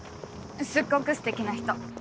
すっごくすてきな人。